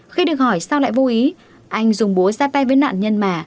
khi được hỏi sao lại vô ý anh dùng búa ra tay với nạn nhân mà